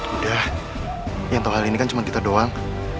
udah yang tahu hal ini kan cuma kita doang